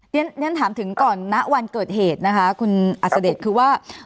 เรียนถามถึงก่อนณวันเกิดเหตุนะคะคุณอัศเดชคือว่า